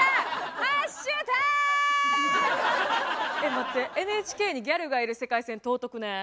待ってＮＨＫにギャルがいる世界線尊くねえ？